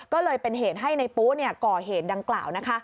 ก็เลยเป็นเหตุให้ในปุ๊ก่อเหตุดังกล่าว